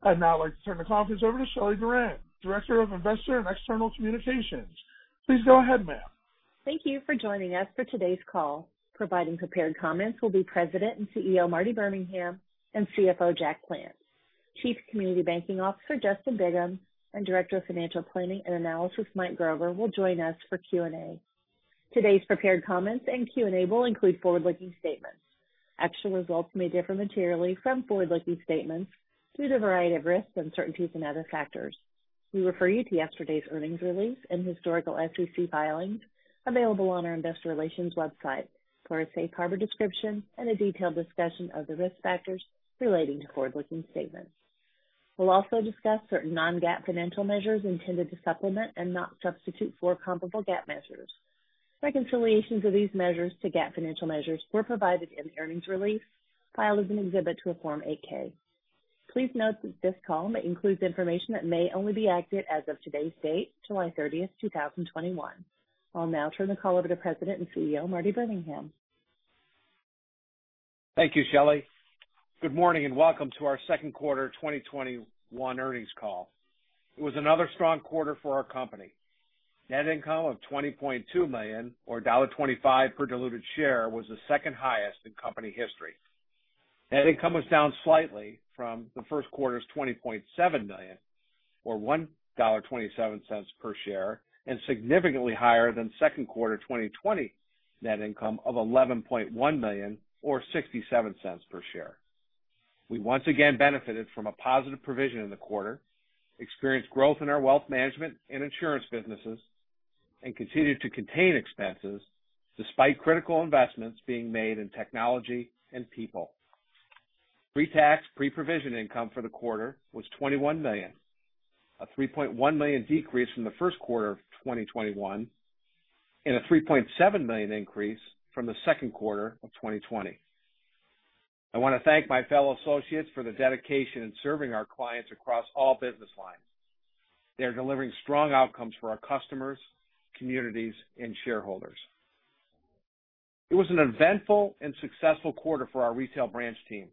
I'd now like to turn the conference over to Shelly Doran, Director of Investor and External Communications. Please go ahead, ma'am. Thank you for joining us for today's call. Providing prepared comments will be President and CEO, Marty Birmingham, and CFO, Jack Plants. Chief Community Banking Officer, Justin Bigham, and Director of Financial Planning and Analysis, Mike Grover, will join us for Q&A. Today's prepared comments and Q&A will include forward-looking statements. Actual results may differ materially from forward-looking statements due to a variety of risks, uncertainties, and other factors. We refer you to yesterday's earnings release and historical SEC filings available on our investor relations website for a safe harbor description and a detailed discussion of the risk factors relating to forward-looking statements. We'll also discuss certain non-GAAP financial measures intended to supplement and not substitute for comparable GAAP measures. Reconciliations of these measures to GAAP financial measures were provided in the earnings release filed as an exhibit to a Form 8-K. Please note that this call may include information that may only be accurate as of today's date, July 30th, 2021. I'll now turn the call over to President and CEO, Marty Birmingham. Thank you, Shelly. Good morning and welcome to our second quarter 2021 earnings call. It was another strong quarter for our company. Net income of $20.2 million, or $1.25 per diluted share was the second highest in company history. Net income was down slightly from the first quarter's $20.7 million, or $1.27 per share, and significantly higher than second quarter 2020 net income of $11.1 million, or $0.67 per share. We once again benefited from a positive provision in the quarter, experienced growth in our wealth management and insurance businesses, and continued to contain expenses despite critical investments being made in technology and people. pre-tax, pre-provision income for the quarter was $21 million, a $3.1 million decrease from the first quarter of 2021, and a $3.7 million increase from the second quarter of 2020. I want to thank my fellow associates for the dedication in serving our clients across all business lines. They are delivering strong outcomes for our customers, communities, and shareholders. It was an eventful and successful quarter for our retail branch team.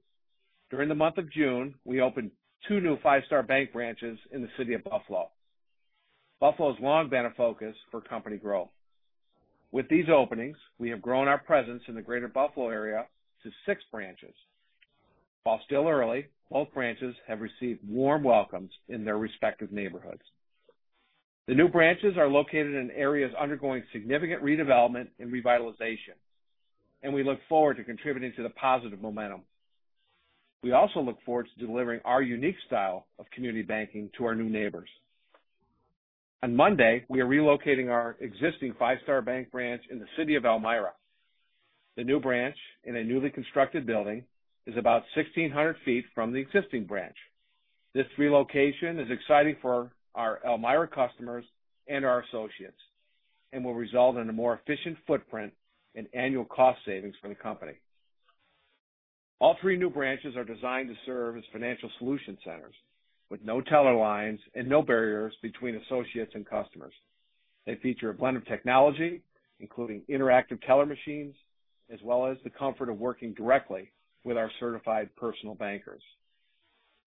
During the month of June, we opened two new Five Star Bank branches in the city of Buffalo. Buffalo's long been a focus for company growth. With these openings, we have grown our presence in the greater Buffalo area to six branches. While still early, both branches have received warm welcomes in their respective neighborhoods. The new branches are located in areas undergoing significant redevelopment and revitalization, and we look forward to contributing to the positive momentum. We also look forward to delivering our unique style of community banking to our new neighbors. On Monday, we are relocating our existing Five Star Bank branch in the city of Elmira. The new branch, in a newly constructed building, is about 1,600 ft from the existing branch. This relocation is exciting for our Elmira customers and our associates, and will result in a more efficient footprint and annual cost savings for the company. All three new branches are designed to serve as financial solution centers with no teller lines and no barriers between associates and customers. They feature a blend of technology, including interactive teller machines, as well as the comfort of working directly with our Certified Personal Banker.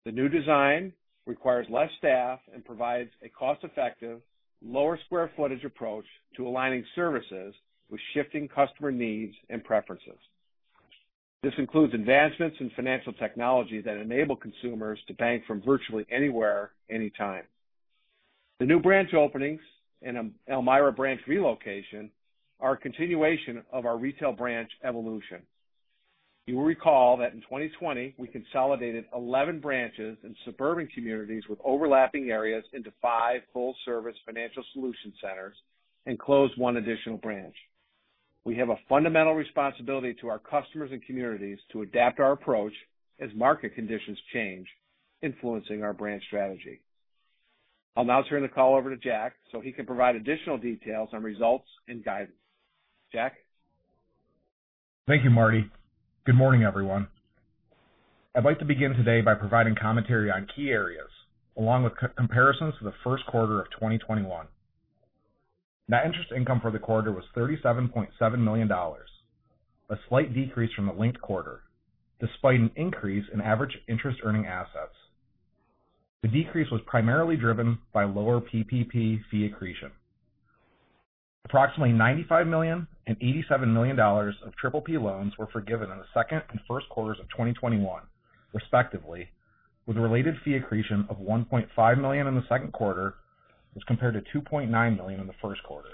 The new design requires less staff and provides a cost-effective, lower square footage approach to aligning services with shifting customer needs and preferences. This includes advancements in financial technology that enable consumers to bank from virtually anywhere, anytime. The new branch openings and Elmira branch relocation are a continuation of our retail branch evolution. You will recall that in 2020, we consolidated 11 branches in suburban communities with overlapping areas into five full-service financial solution centers and closed one additional branch. We have a fundamental responsibility to our customers and communities to adapt our approach as market conditions change, influencing our branch strategy. I'll now turn the call over to Jack so he can provide additional details on results and guidance. Jack? Thank you, Marty. Good morning, everyone. I'd like to begin today by providing commentary on key areas, along with comparisons to the first quarter of 2021. Net interest income for the quarter was $37.7 million. A slight decrease from the linked quarter, despite an increase in average interest earning assets. The decrease was primarily driven by lower PPP fee accretion. Approximately $95 million and $87 million of Triple P loans were forgiven in the second and first quarters of 2021, respectively, with related fee accretion of $1.5 million in the second quarter as compared to $2.9 million in the first quarter.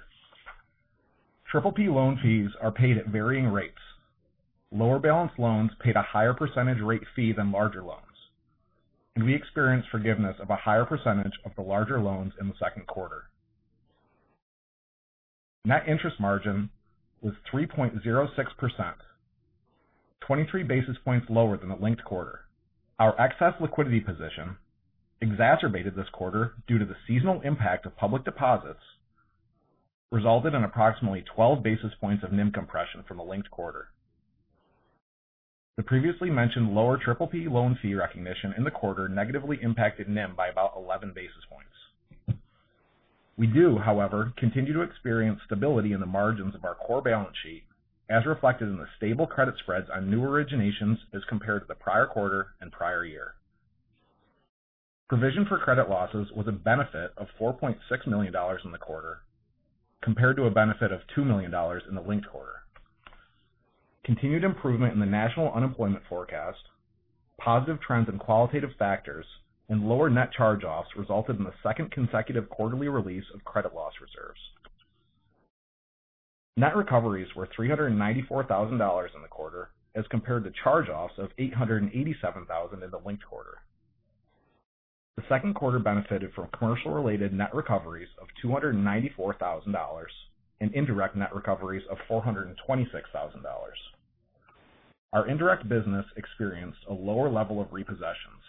Triple P loan fees are paid at varying rates. Lower balance loans paid a higher percentage rate fee than larger loans, and we experienced forgiveness of a higher percentage of the larger loans in the second quarter. Net interest margin was 3.06%, 23 basis points lower than the linked quarter. Our excess liquidity position exacerbated this quarter due to the seasonal impact of public deposits resulted in approximately 12 basis points of NIM compression from the linked quarter. The previously mentioned lower Triple P loan fee recognition in the quarter negatively impacted NIM by about 11 basis points. We do, however, continue to experience stability in the margins of our core balance sheet, as reflected in the stable credit spreads on new originations as compared to the prior quarter and prior year. Provision for credit losses was a benefit of $4.6 million in the quarter compared to a benefit of $2 million in the linked quarter. Continued improvement in the national unemployment forecast, positive trends in qualitative factors, and lower net charge-offs resulted in the second consecutive quarterly release of credit loss reserves. Net recoveries were $394,000 in the quarter as compared to charge-offs of $887,000 in the linked quarter. The second quarter benefited from commercial-related net recoveries of $294,000 and indirect net recoveries of $426,000. Our indirect business experienced a lower level of repossessions.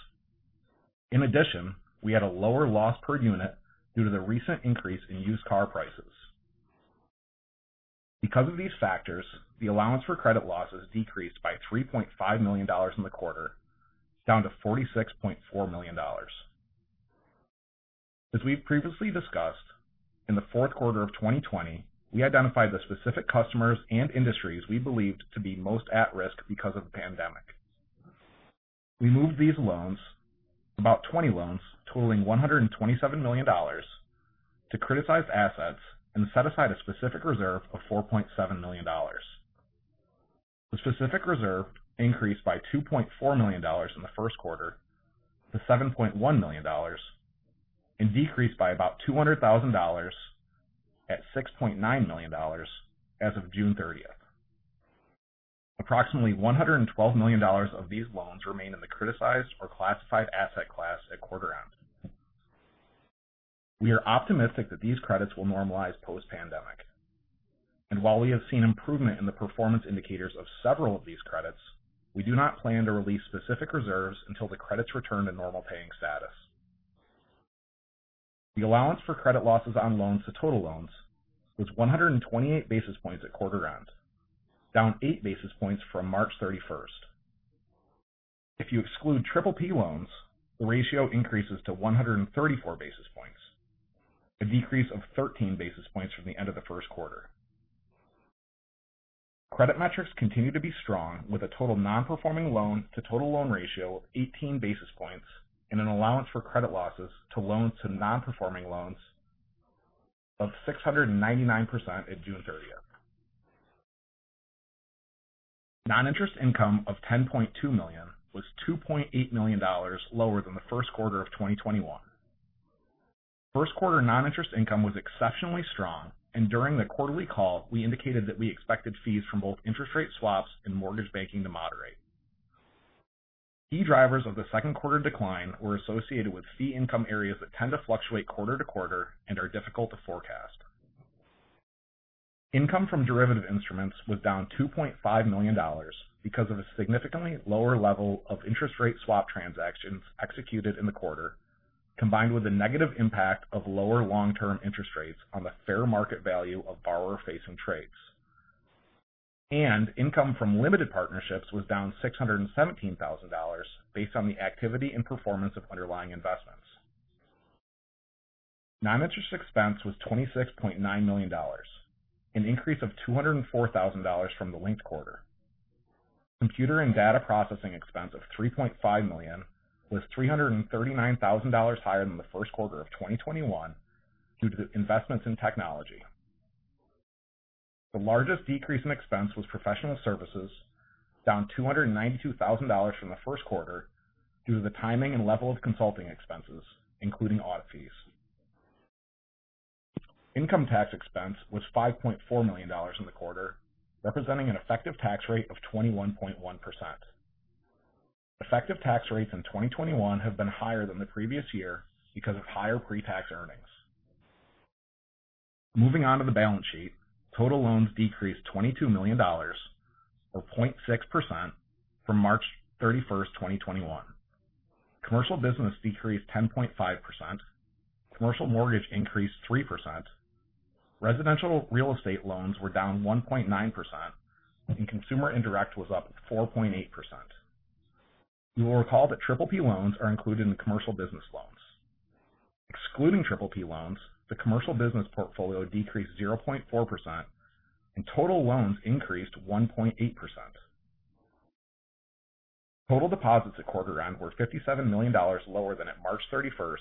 In addition, we had a lower loss per unit due to the recent increase in used car prices. Because of these factors, the allowance for credit losses decreased by $3.5 million in the quarter, down to $46.4 million. As we've previously discussed, in the fourth quarter of 2020, we identified the specific customers and industries we believed to be most at risk because of the pandemic. We moved these loans, about 20 loans totaling $127 million, to criticized assets and set aside a specific reserve of $4.7 million. The specific reserve increased by $2.4 million in the first quarter to $7.1 million and decreased by about $200,000 at $6.9 million as of June 30th. Approximately $112 million of these loans remained in the criticized or classified asset class at quarter end. We are optimistic that these credits will normalize post-pandemic, and while we have seen improvement in the performance indicators of several of these credits, we do not plan to release specific reserves until the credits return to normal paying status. The allowance for credit losses on loans to total loans was 128 basis points at quarter end, down 8 basis points from March 31st. If you exclude Triple P loans, the ratio increases to 134 basis points, a decrease of 13 basis points from the end of the first quarter. Credit metrics continue to be strong with a total non-performing loan to total loan ratio of 18 basis points and an allowance for credit losses to loans to non-performing loans of 699% at June 30th. Non-interest income of $10.2 million was $2.8 million lower than the first quarter of 2021. First quarter non-interest income was exceptionally strong, and during the quarterly call, we indicated that we expected fees from both interest rate swaps and mortgage banking to moderate. Key drivers of the second quarter decline were associated with fee income areas that tend to fluctuate quarter to quarter and are difficult to forecast. Income from derivative instruments was down $2.5 million because of a significantly lower level of interest rate swap transactions executed in the quarter, combined with the negative impact of lower long-term interest rates on the fair market value of borrower-facing trades. Income from limited partnerships was down $617,000 based on the activity and performance of underlying investments. Non-interest expense was $26.9 million, an increase of $204,000 from the linked quarter. Computer and data processing expense of $3.5 million was $339,000 higher than the first quarter of 2021 due to investments in technology. The largest decrease in expense was professional services, down $292,000 from the first quarter due to the timing and level of consulting expenses, including audit fees. Income tax expense was $5.4 million in the quarter, representing an effective tax rate of 21.1%. Effective tax rates in 2021 have been higher than the previous year because of higher pre-tax earnings. Moving on to the balance sheet, total loans decreased $22 million, or 0.6%, from March 31st, 2021. Commercial business decreased 10.5%, commercial mortgage increased 3%, residential real estate loans were down 1.9%, and consumer indirect was up 4.8%. You will recall that Triple P loans are included in the commercial business loans. Excluding Triple P loans, the commercial business portfolio decreased 0.4%, and total loans increased 1.8%. Total deposits at quarter end were $57 million lower than at March 31st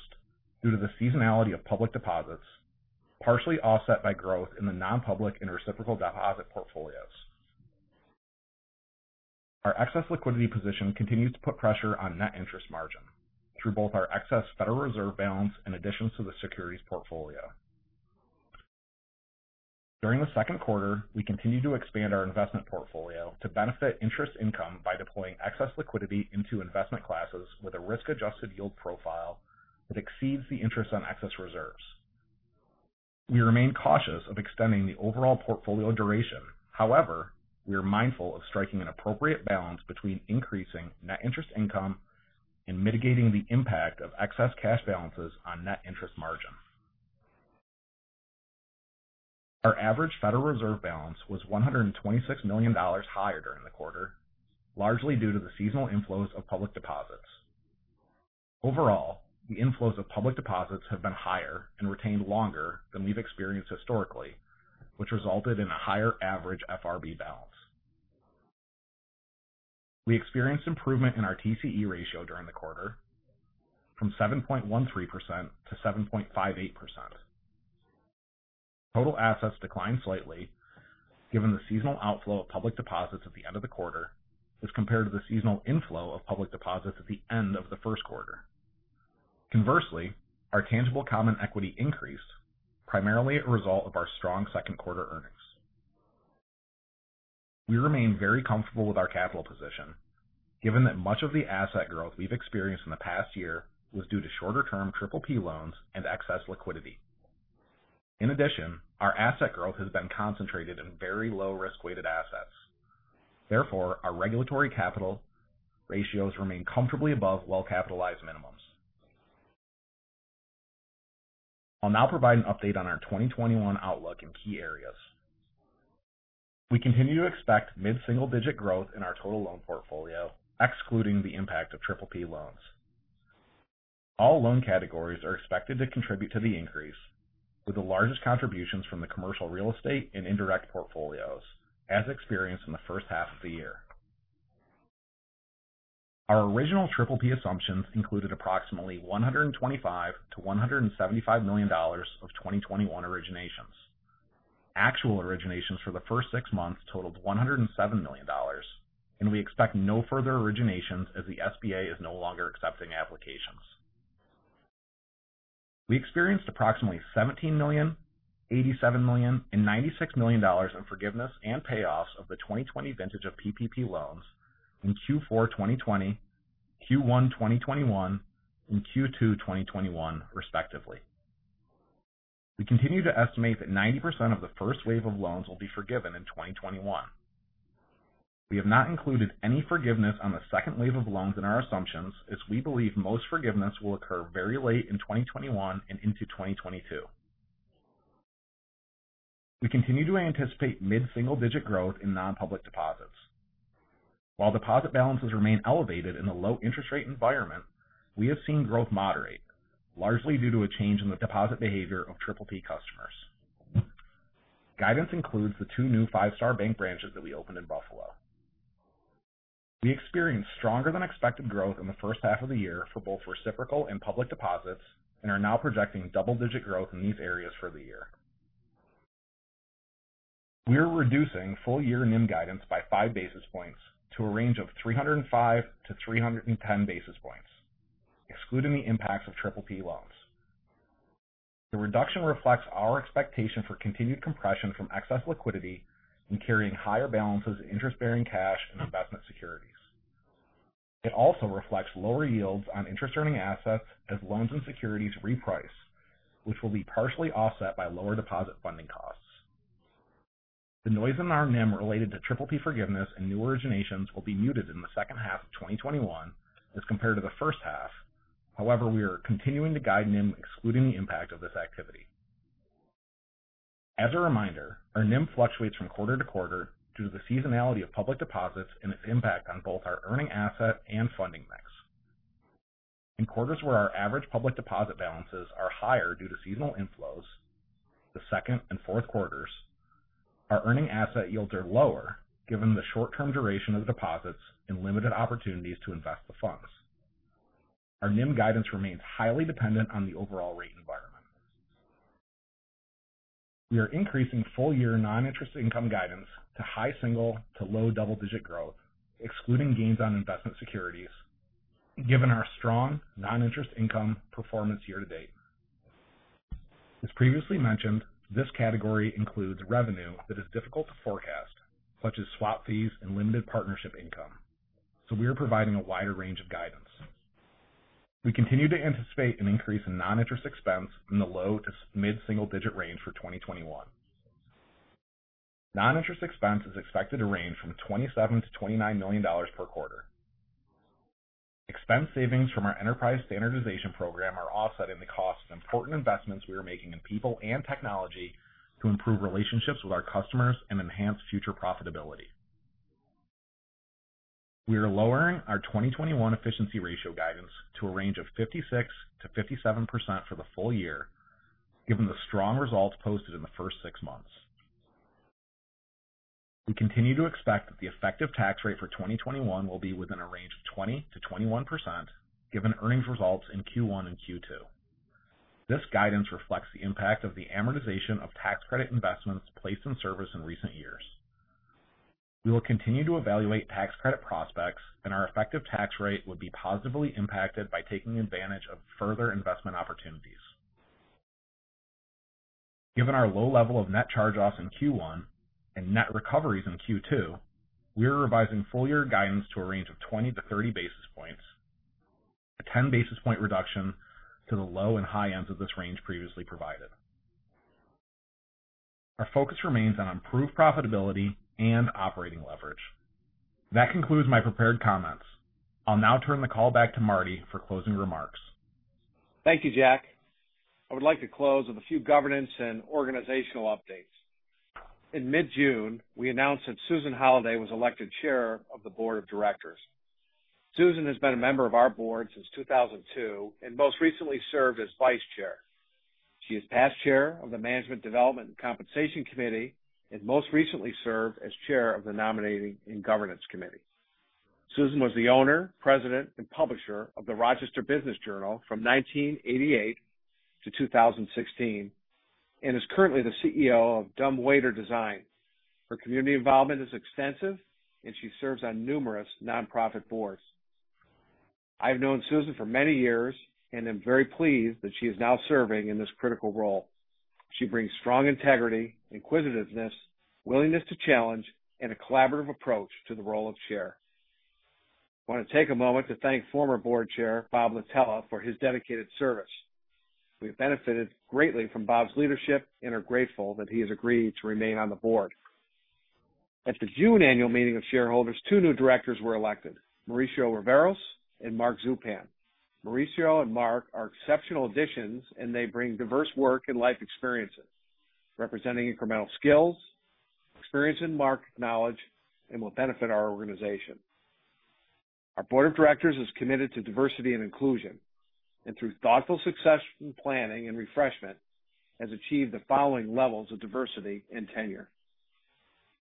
due to the seasonality of public deposits, partially offset by growth in the non-public and reciprocal deposit portfolios. Our excess liquidity position continues to put pressure on net interest margin through both our excess Federal Reserve balance and additions to the securities portfolio. During the second quarter, we continued to expand our investment portfolio to benefit interest income by deploying excess liquidity into investment classes with a risk-adjusted yield profile that exceeds the interest on excess reserves. We remain cautious of extending the overall portfolio duration. However, we are mindful of striking an appropriate balance between increasing net interest income and mitigating the impact of excess cash balances on net interest margin. Our average Federal Reserve balance was $126 million higher during the quarter, largely due to the seasonal inflows of public deposits. Overall, the inflows of public deposits have been higher and retained longer than we've experienced historically, which resulted in a higher average FRB balance. We experienced improvement in our TCE ratio during the quarter from 7.13%-7.58%. Total assets declined slightly given the seasonal outflow of public deposits at the end of the quarter as compared to the seasonal inflow of public deposits at the end of the first quarter. Conversely, our tangible common equity increased, primarily a result of our strong second quarter earnings. We remain very comfortable with our capital position, given that much of the asset growth we've experienced in the past year was due to shorter-term Triple P loans and excess liquidity. In addition, our asset growth has been concentrated in very low risk-weighted assets. Therefore, our regulatory capital ratios remain comfortably above well-capitalized minimums. I'll now provide an update on our 2021 outlook in key areas. We continue to expect mid-single-digit growth in our total loan portfolio, excluding the impact of Triple P loans. All loan categories are expected to contribute to the increase, with the largest contributions from the commercial real estate and indirect portfolios as experienced in the first half of the year. Our original Triple P assumptions included approximately $125 million-$175 million of 2021 originations. Actual originations for the first six months totaled $107 million, and we expect no further originations as the SBA is no longer accepting applications. We experienced approximately $17 million, $87 million, and $96 million in forgiveness and payoffs of the 2020 vintage of PPP loans in Q4 2020, Q1 2021, and Q2 2021, respectively. We continue to estimate that 90% of the first wave of loans will be forgiven in 2021. We have not included any forgiveness on the second wave of loans in our assumptions, as we believe most forgiveness will occur very late in 2021 and into 2022. We continue to anticipate mid-single-digit growth in non-public deposits. While deposit balances remain elevated in the low interest rate environment, we have seen growth moderate, largely due to a change in the deposit behavior of Triple P customers. Guidance includes the two new Five Star Bank branches that we opened in Buffalo. We experienced stronger than expected growth in the first half of the year for both reciprocal and public deposits and are now projecting double-digit growth in these areas for the year. We are reducing full-year NIM guidance by five basis points to a range of 305-310 basis points, excluding the impacts of Triple P loans. The reduction reflects our expectation for continued compression from excess liquidity in carrying higher balances in interest-bearing cash and investment securities. It also reflects lower yields on interest-earning assets as loans and securities reprice, which will be partially offset by lower deposit funding costs. The noise in our NIM related to Triple P forgiveness and new originations will be muted in the second half of 2021 as compared to the first half. We are continuing to guide NIM excluding the impact of this activity. As a reminder, our NIM fluctuates from quarter-to-quarter due to the seasonality of public deposits and its impact on both our earning asset and funding mix. In quarters where our average public deposit balances are higher due to seasonal inflows, the second and fourth quarters, our earning asset yields are lower given the short-term duration of deposits and limited opportunities to invest the funds. Our NIM guidance remains highly dependent on the overall rate environment. We are increasing full-year non-interest income guidance to high single to low double-digit growth, excluding gains on investment securities, given our strong non-interest income performance year to date. As previously mentioned, this category includes revenue that is difficult to forecast, such as swap fees and limited partnership income, so we are providing a wider range of guidance. We continue to anticipate an increase in non-interest expense in the low to mid single-digit range for 2021. Non-interest expense is expected to range from $27 million-$29 million per quarter. Expense savings from our enterprise standardization program are offsetting the costs of important investments we are making in people and technology to improve relationships with our customers and enhance future profitability. We are lowering our 2021 efficiency ratio guidance to a range of 56%-57% for the full year, given the strong results posted in the first six months. We continue to expect that the effective tax rate for 2021 will be within a range of 20%-21% given earnings results in Q1 and Q2. This guidance reflects the impact of the amortization of tax credit investments placed in service in recent years. We will continue to evaluate tax credit prospects, and our effective tax rate would be positively impacted by taking advantage of further investment opportunities. Given our low level of net charge-offs in Q1 and net recoveries in Q2, we are revising full-year guidance to a range of 20 basis points-30 basis points, a 10 basis point reduction to the low and high ends of this range previously provided. Our focus remains on improved profitability and operating leverage. That concludes my prepared comments. I'll now turn the call back to Marty for closing remarks. Thank you, Jack. I would like to close with a few governance and organizational updates. In mid-June, we announced that Susan Holliday was elected Chair of the Board of Directors. Susan has been a member of our board since 2002 and most recently served as Vice Chair. She is past Chair of the Management Development and Compensation Committee and most recently served as Chair of the Nominating and Governance Committee. Susan was the owner, president, and publisher of the Rochester Business Journal from 1988 to 2016 and is currently the CEO of Dumbwaiter Design. Her community involvement is extensive, and she serves on numerous nonprofit boards. I've known Susan for many years and am very pleased that she is now serving in this critical role. She brings strong integrity, inquisitiveness, willingness to challenge, and a collaborative approach to the role of Chair. I want to take a moment to thank former Board Chair Bob Latella for his dedicated service. We have benefited greatly from Bob's leadership and are grateful that he has agreed to remain on the Board. At the June annual meeting of shareholders, two new Directors were elected, Mauricio Riveros and Mark Zupan. Mauricio and Mark are exceptional additions, and they bring diverse work and life experiences, representing incremental skills, experience, and market knowledge, and will benefit our organization. Our Board of Directors is committed to diversity and inclusion and, through thoughtful succession planning and refreshment, has achieved the following levels of diversity and tenure.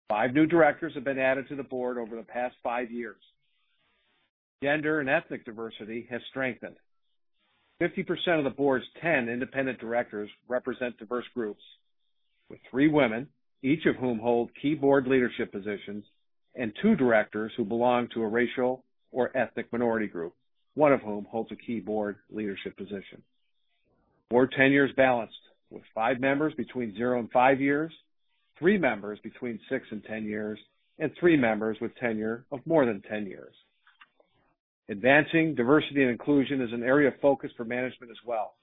Five new Directors have been added to the Board over the past five years. Gender and ethnic diversity has strengthened. 50% of the board's 10 independent directors represent diverse groups, with three women, each of whom hold key board leadership positions, and two directors who belong to a racial or ethnic minority group, one of whom holds a key board leadership position. Board tenure is balanced, with five members between zero to five years, three members between six to 10 years, and three members with tenure of more than 10 years. Advancing diversity and inclusion is an area of focus for management as well.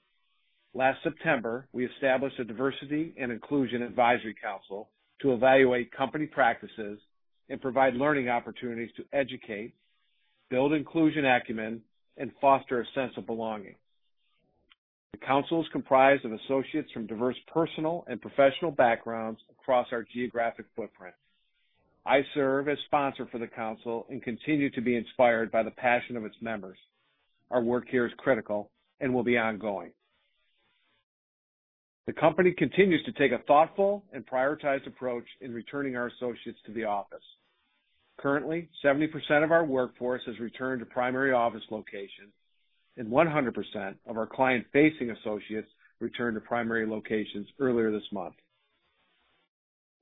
Last September, we established a Diversity and Inclusion Advisory Council to evaluate company practices and provide learning opportunities to educate, build inclusion acumen, and foster a sense of belonging. The council is comprised of associates from diverse personal and professional backgrounds across our geographic footprint. I serve as sponsor for the council and continue to be inspired by the passion of its members. Our work here is critical and will be ongoing. The company continues to take a thoughtful and prioritized approach in returning our associates to the office. Currently, 70% of our workforce has returned to primary office locations, and 100% of our client-facing associates returned to primary locations earlier this month.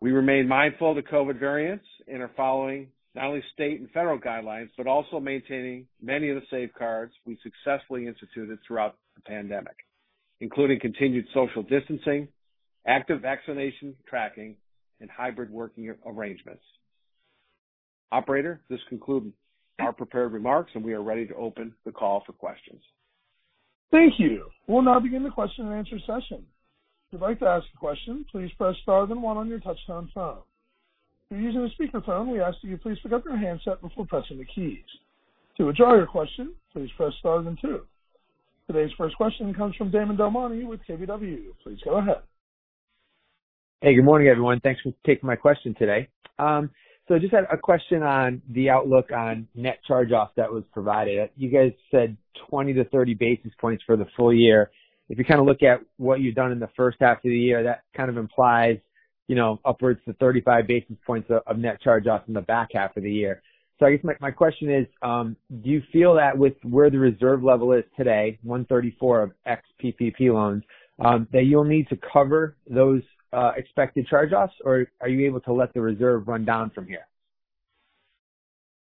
We remain mindful of the COVID variants and are following not only state and federal guidelines but also maintaining many of the safeguards we successfully instituted throughout the pandemic, including continued social distancing, active vaccination tracking, and hybrid working arrangements. Operator, this concludes our prepared remarks, and we are ready to open the call for questions. Thank you. We'll now begin the question and answer session. If you'd like to ask a question, please press star then one on your touchtone phone. If you're using a speakerphone, we ask that you please pick up your handset before pressing the keys. To withdraw your question, please press star then two. Today's first question comes from Damon DelMonte with KBW. Please go ahead. Hey, good morning, everyone. Thanks for taking my question today. I just had a question on the outlook on net charge-off that was provided. You guys said 20-30 basis points for the full year. If you kind of look at what you've done in the first half of the year, that kind of implies upwards to 35 basis points of net charge-offs in the back half of the year. I guess my question is, do you feel that with where the reserve level is today, 134 of ex-PPP loans, that you'll need to cover those expected charge-offs, or are you able to let the reserve run down from here?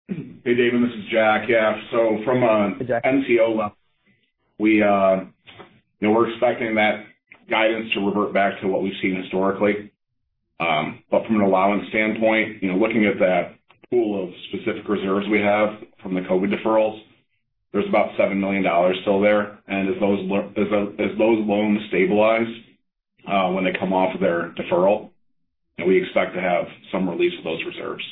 Hey, Damon, this is Jack. Yeah. From an NCO level, we're expecting that guidance to revert back to what we've seen historically. From an allowance standpoint, looking at that pool of specific reserves we have from the COVID deferrals, there's about $7 million still there. As those loans stabilize when they come off their deferral, we expect to have some release of those reserves.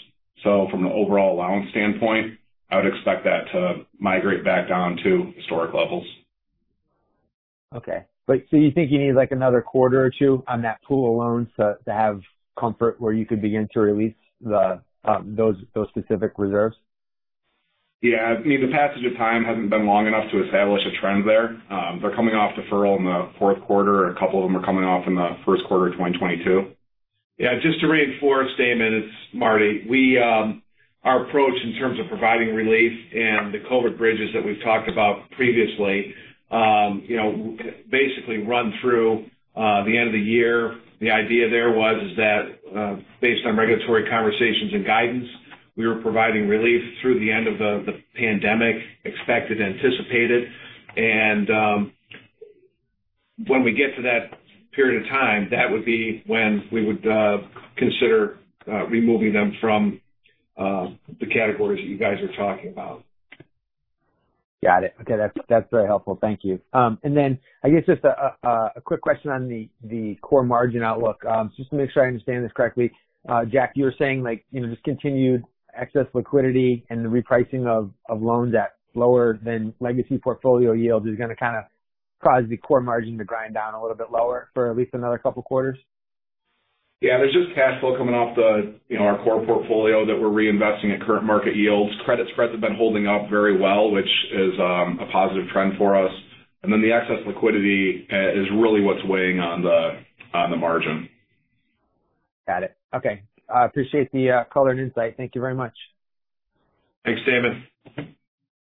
From an overall allowance standpoint, I would expect that to migrate back down to historic levels. You think you need another quarter or two on that pool of loans to have comfort where you could begin to release those specific reserves? Yeah. I mean, the passage of time hasn't been long enough to establish a trend there. They're coming off deferral in the fourth quarter, and a couple of them are coming off in the first quarter of 2022. Yeah. Just to reinforce, Damon, it's Marty. Our approach in terms of providing relief and the COVID bridges that we've talked about previously basically run through the end of the year. The idea there was is that based on regulatory conversations and guidance. We were providing relief through the end of the pandemic, expected, anticipated. When we get to that period of time, that would be when we would consider removing them from the categories that you guys are talking about. Got it. Okay. That's very helpful. Thank you. I guess just a quick question on the core margin outlook. Just to make sure I understand this correctly, Jack, you were saying this continued excess liquidity and the repricing of loans at lower than legacy portfolio yields is going to kind of cause the core margin to grind down a little bit lower for at least another two quarters? There's just cash flow coming off our core portfolio that we're reinvesting at current market yields. Credit spreads have been holding up very well, which is a positive trend for us. The excess liquidity is really what's weighing on the margin. Got it. Okay. I appreciate the color and insight. Thank you very much. Thanks, Damon.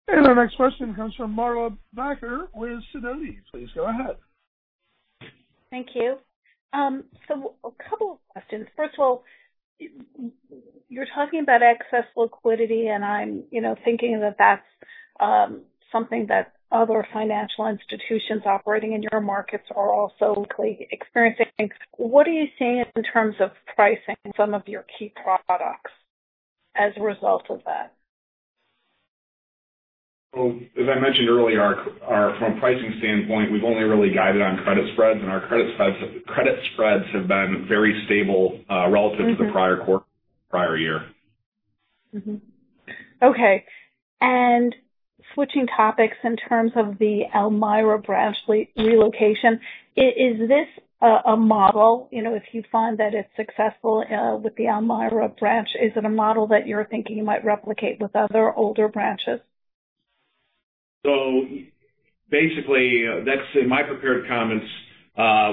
Our next question comes from Marla Backer with Sidoti. Please go ahead. Thank you. A couple of questions. First of all, you're talking about excess liquidity, and I'm thinking that that's something that other financial institutions operating in your markets are also likely experiencing. What are you seeing in terms of pricing some of your key products as a result of that? As I mentioned earlier, from a pricing standpoint, we've only really guided on credit spreads, and our credit spreads have been very stable relative to the prior quarter, prior year. Okay. Switching topics in terms of the Elmira branch relocation. Is this a model? If you find that it's successful with the Elmira branch, is it a model that you're thinking you might replicate with other older branches? Basically, that's in my prepared comments. I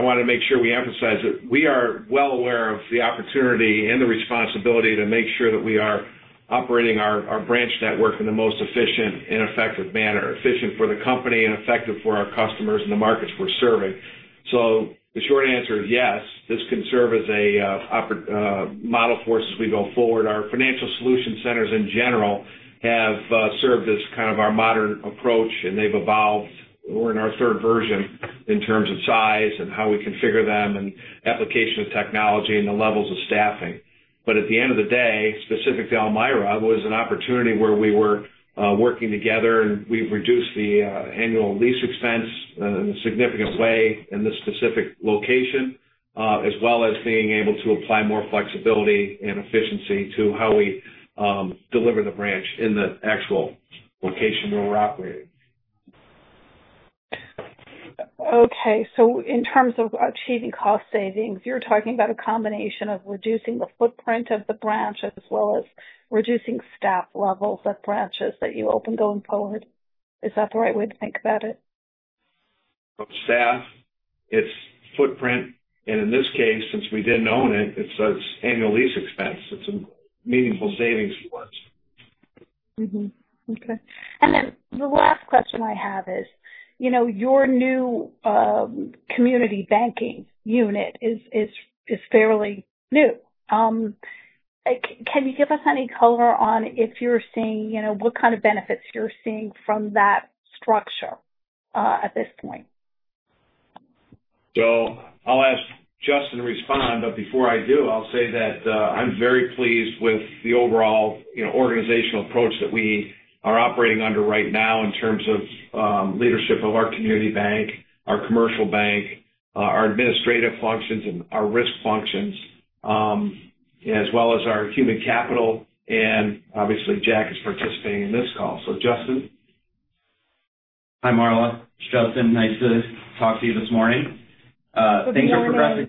want to make sure we emphasize it. We are well aware of the opportunity and the responsibility to make sure that we are operating our branch network in the most efficient and effective manner. Efficient for the company and effective for our customers and the markets we're serving. The short answer is yes, this can serve as a model for us as we go forward. Our financial solution centers in general have served as kind of our modern approach, and they've evolved. We're in our third version in terms of size and how we configure them, and application of technology and the levels of staffing. At the end of the day, specific to Elmira, was an opportunity where we were working together and we've reduced the annual lease expense in a significant way in this specific location, as well as being able to apply more flexibility and efficiency to how we deliver the branch in the actual location where we're operating. Okay. In terms of achieving cost savings, you're talking about a combination of reducing the footprint of the branch as well as reducing staff levels at branches that you open going forward. Is that the right way to think about it? Both staff, its footprint, and in this case, since we didn't own it, its annual lease expense. It's a meaningful savings for us. Okay. The last question I have is, your new community banking unit is fairly new. Can you give us any color on what kind of benefits you're seeing from that structure at this point? I'll ask Justin to respond, but before I do, I'll say that I'm very pleased with the overall organizational approach that we are operating under right now in terms of leadership of our community bank, our commercial bank, our administrative functions and our risk functions, as well as our human capital. Obviously, Jack is participating in this call. Justin? Hi, Marla. It's Justin. Nice to talk to you this morning. Good morning.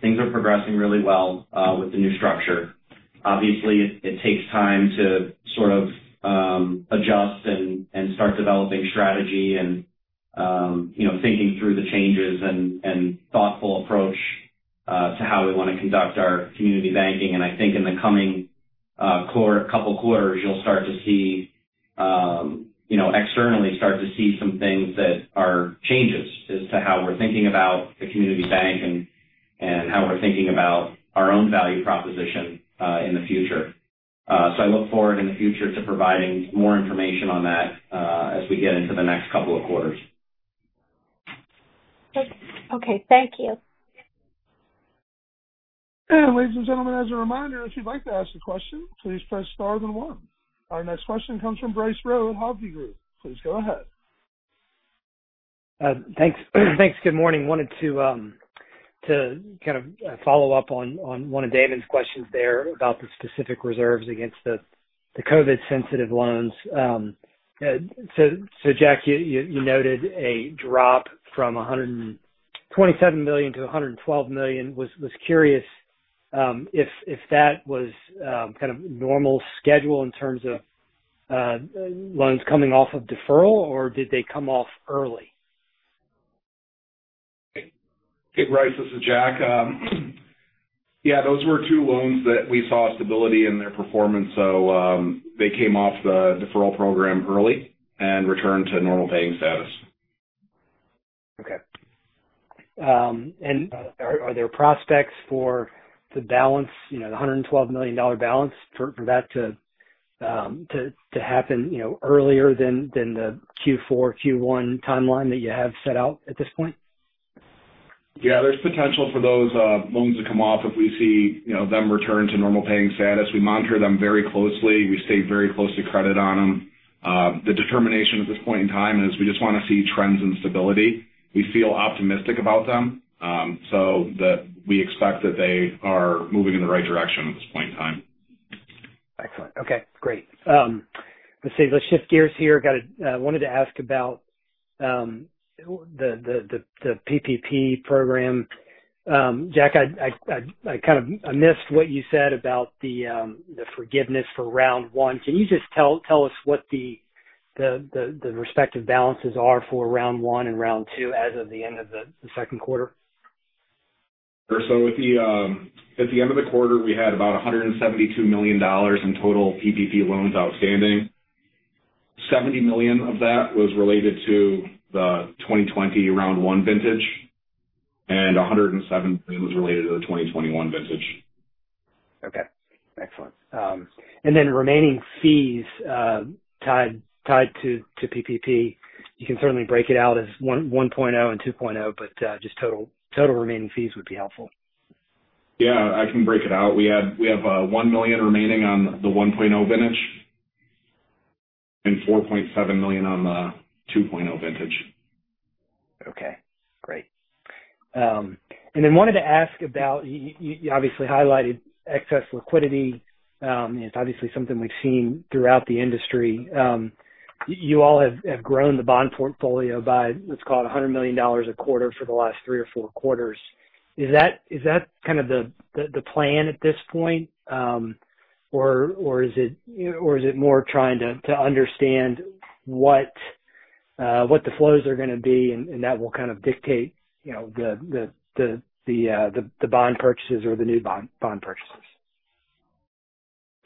Things are progressing really well with the new structure. Obviously, it takes time to sort of adjust and start developing strategy and thinking through the changes and thoughtful approach to how we want to conduct our community banking. I think in the coming couple quarters, you'll externally start to see some things that are changes as to how we're thinking about the community bank and how we're thinking about our own value proposition in the future. I look forward in the future to providing more information on that as we get into the next couple of quarters. Okay. Thank you. Ladies and gentlemen, as a reminder, if you'd like to ask a question, please press star then one. Our next question comes from Bryce Rowe, Hovde Group. Please go ahead. Thanks. Good morning. Wanted to kind of follow up on one of Damon's questions there about the specific reserves against the COVID-sensitive loans. Jack, you noted a drop from $127 million-$112 million. Was curious if that was kind of normal schedule in terms of loans coming off of deferral, or did they come off early? Hey, Bryce, this is Jack. Yeah, those were two loans that we saw stability in their performance, so they came off the deferral program early and returned to normal paying status. Are there prospects for the balance, the $112 million balance, for that to happen earlier than the Q4, Q1 timeline that you have set out at this point? Yeah. There's potential for those loans to come off if we see them return to normal paying status. We monitor them very closely. We stay very close to credit on them. The determination at this point in time is we just want to see trends and stability. We feel optimistic about them, so we expect that they are moving in the right direction at this point in time. Excellent. Okay, great. Let's see. Let's shift gears here. I wanted to ask about the PPP Program. Jack, I missed what you said about the forgiveness for round one. Can you just tell us what the respective balances are for round one and round two as of the end of the second quarter? Sure. At the end of the quarter, we had about $172 million in total PPP loans outstanding. $70 million of that was related to the 2020 round one vintage, and $107 million was related to the 2021 vintage. Okay. Excellent. Remaining fees tied to PPP. You can certainly break it out as 1.0 and 2.0, but just total remaining fees would be helpful. Yeah, I can break it out. We have $1 million remaining on the 1.0 vintage and $4.7 million on the 2.0 vintage. Okay, great. Wanted to ask about, you obviously highlighted excess liquidity. It's obviously something we've seen throughout the industry. You all have grown the bond portfolio by, let's call it $100 million a quarter for the last three or four quarters. Is that kind of the plan at this point? Is it more trying to understand what the flows are going to be and that will kind of dictate the bond purchases or the new bond purchases?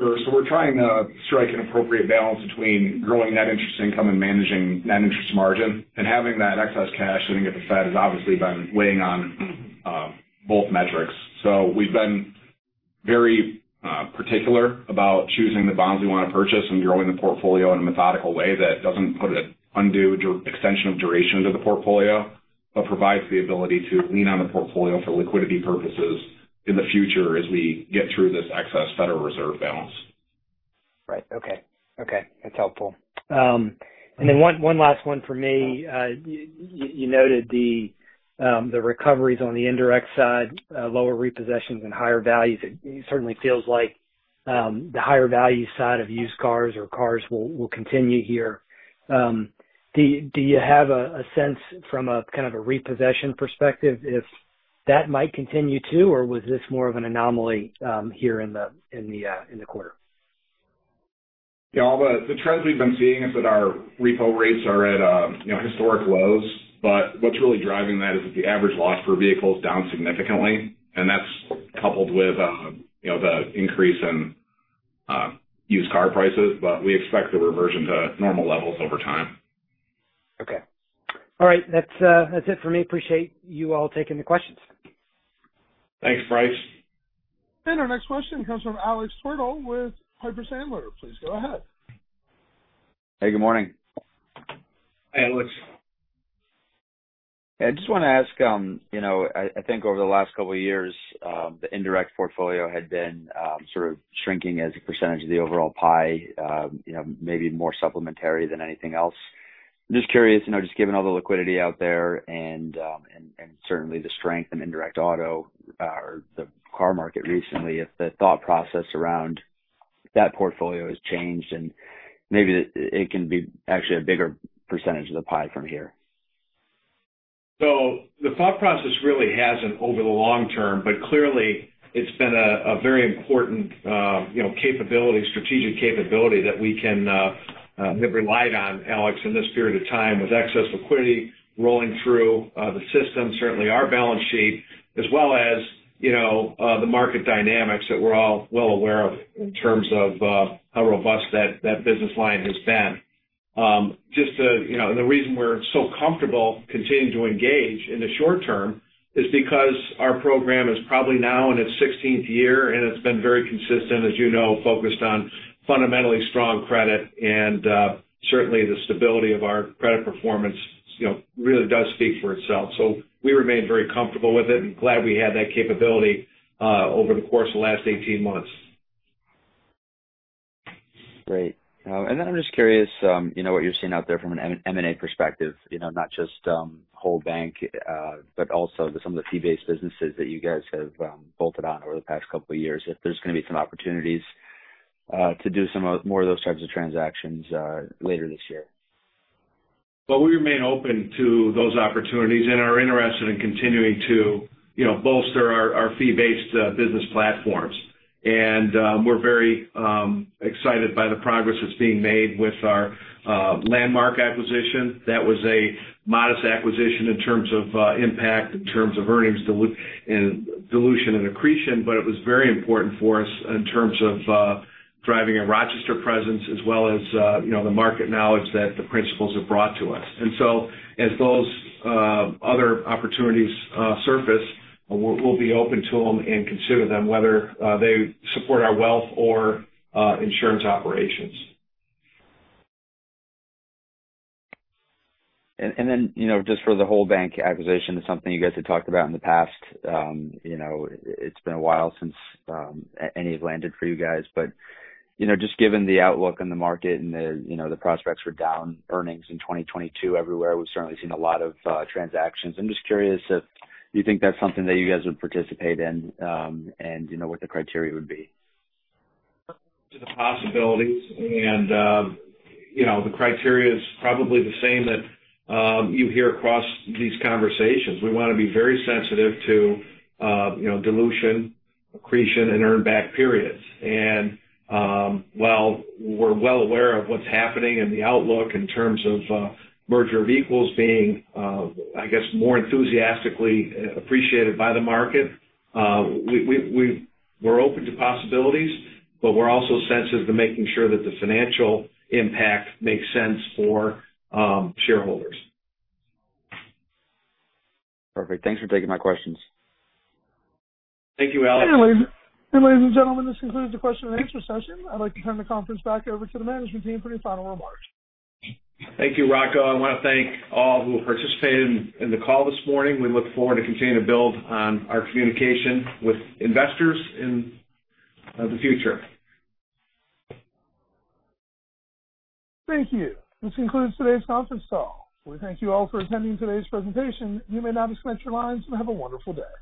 Sure. We're trying to strike an appropriate balance between growing net interest income and managing net interest margin, and having that excess cash sitting at the Fed has obviously been weighing on both metrics. We've been very particular about choosing the bonds we want to purchase and growing the portfolio in a methodical way that doesn't put an undue extension of duration to the portfolio, but provides the ability to lean on the portfolio for liquidity purposes in the future as we get through this excess Federal Reserve balance. Right. Okay. That's helpful. One last one for me. You noted the recoveries on the indirect side, lower repossessions and higher values. It certainly feels like the higher value side of used cars or cars will continue here. Do you have a sense from a kind of a repossession perspective if that might continue too, or was this more of an anomaly here in the quarter? Yeah. The trends we've been seeing is that our repo rates are at historic lows. What's really driving that is that the average loss for a vehicle is down significantly, and that's coupled with the increase in used car prices. We expect a reversion to normal levels over time. Okay. All right. That's it for me. Appreciate you all taking the questions. Thanks, Bryce. Our next question comes from Alex Twerdahl with Piper Sandler. Please go ahead. Hey, good morning. Hi, Alex. I just want to ask, I think over the last couple of years, the indirect portfolio had been sort of shrinking as a percentage of the overall pie, maybe more supplementary than anything else. I'm just curious, just given all the liquidity out there and certainly the strength in indirect auto or the car market recently, if the thought process around that portfolio has changed, and maybe it can be actually a bigger percentage of the pie from here. The thought process really hasn't over the long term, but clearly it's been a very important capability, strategic capability that we have relied on, Alex, in this period of time with excess liquidity rolling through the system. Certainly our balance sheet as well as the market dynamics that we're all well aware of in terms of how robust that business line has been. The reason we're so comfortable continuing to engage in the short term is because our program is probably now in its 16th year, and it's been very consistent, as you know, focused on fundamentally strong credit and certainly the stability of our credit performance really does speak for itself. We remain very comfortable with it and glad we had that capability over the course of the last 18 months. Great. I'm just curious what you're seeing out there from an M&A perspective. Not just whole bank, but also some of the fee-based businesses that you guys have bolted on over the past couple of years. If there's going to be some opportunities to do some more of those types of transactions later this year? Well, we remain open to those opportunities and are interested in continuing to bolster our fee-based business platforms. We're very excited by the progress that's being made with our Landmark acquisition. That was a modest acquisition in terms of impact, in terms of earnings dilution and accretion. It was very important for us in terms of driving a Rochester presence as well as the market knowledge that the principals have brought to us. As those other opportunities surface, we'll be open to them and consider them, whether they support our wealth or insurance operations. Just for the whole bank acquisition is something you guys had talked about in the past. It's been a while since any have landed for you guys, but just given the outlook on the market and the prospects for down earnings in 2022 everywhere, we've certainly seen a lot of transactions. I'm just curious if you think that's something that you guys would participate in, and what the criteria would be? To the possibilities. The criteria is probably the same that you hear across these conversations. We want to be very sensitive to dilution, accretion, and earn back periods. While we're well aware of what's happening and the outlook in terms of merger of equals being, I guess, more enthusiastically appreciated by the market, we're open to possibilities, but we're also sensitive to making sure that the financial impact makes sense for shareholders. Perfect. Thanks for taking my questions. Thank you, Alex. Ladies and gentlemen, this concludes the question and answer session. I'd like to turn the conference back over to the management team for any final remarks. Thank you, Rocco. I want to thank all who participated in the call this morning. We look forward to continuing to build on our communication with investors in the future. Thank you. This concludes today's conference call. We thank you all for attending today's presentation. You may now disconnect your lines, and have a wonderful day.